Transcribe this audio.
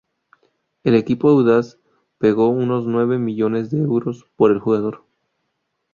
El equipo andaluz pagó unos nueve millones de euros por el jugador.